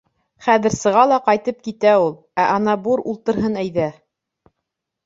Хәҙер сыға ла ҡайтып китә ул. Ә ана бур ултырһын, әйҙә.